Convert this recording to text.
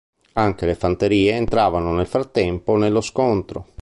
Anche le fanterie entravano nel frattempo nello scontro.